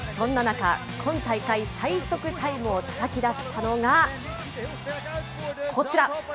そんな中、今大会最速タイムをたたき出したのが、こちら。